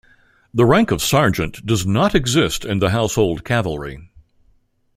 The rank of sergeant does not exist in the Household Cavalry.